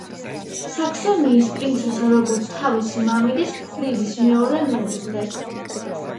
საქსონიის პრინცესა როგორც თავისი მამიდის ქვრივის მეორე მეუღლე.